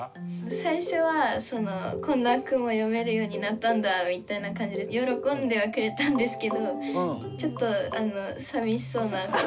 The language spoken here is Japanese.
最初は「こんな句も詠めるようになったんだ」みたいな感じで喜んではくれたんですけどちょっと寂しそうな顔。